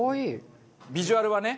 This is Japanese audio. ビジュアルはね。